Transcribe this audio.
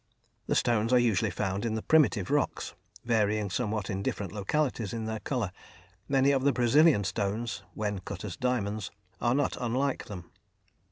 The stones are usually found in the primitive rocks, varying somewhat in different localities in their colour; many of the Brazilian stones, when cut as diamonds, are not unlike them.